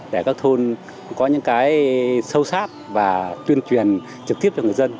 để các thôn có những cái sâu sát và tuyên truyền trực tiếp cho người dân